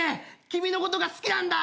君のことが好きなんだ！